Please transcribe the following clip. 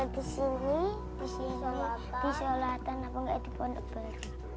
di sini di solatan atau di pondok beli